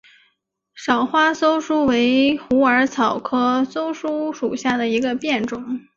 少花溲疏为虎耳草科溲疏属下的一个变种。